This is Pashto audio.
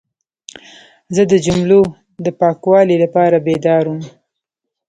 زه د جملو د پاکوالي لپاره بیدار وم.